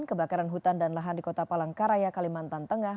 kebakaran hutan dan lahan di kota palangkaraya kalimantan tengah